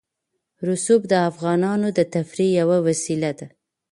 رسوب د افغانانو د تفریح یوه وسیله ده.